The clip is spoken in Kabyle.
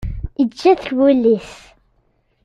Yečča-t wul-is.